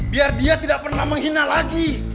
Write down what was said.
biar dia tidak pernah menghina lagi